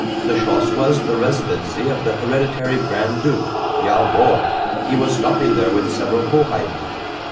The Schloss was the residency of the hereditary Grand Duke. JA WOHL! He was stopping there with several Hoheiten.